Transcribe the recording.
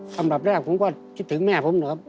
สำหรับแรกผมก็คิดถึงแม่ผมนะครับ